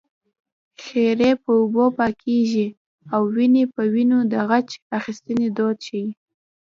خیرې په اوبو پاکېږي او وينې په وينو د غچ اخیستنې دود ښيي